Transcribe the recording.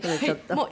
ちょっと。